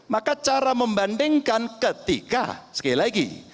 maka cara membandingkan ketika sekali lagi